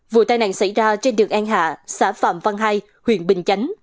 vụ tai nạn xảy ra trên đường an hạ xã phạm văn hai huyện bình chánh